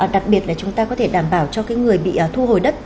đặc biệt là chúng ta có thể đảm bảo cho người bị thu hồi đất